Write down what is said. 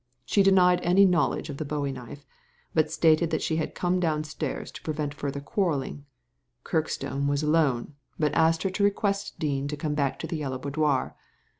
She denied any knowledge of the bowie knife ; but stated that she had come downstairs to prevent further quarrelling. Kirkstone was alone, but asked her to request Dean to come back to the Yellow Boudoir.